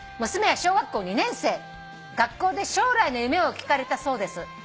娘は小学校２年生」「学校で将来の夢を聞かれたそうです」